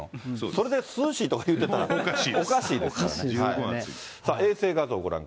それで涼しいとか言うてたら、おかしいですから。